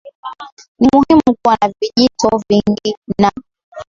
ni muhimu kuwa na vijito vingi Na